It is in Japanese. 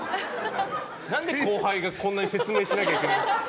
何で後輩がこんなに説明しなきゃいけないんですか。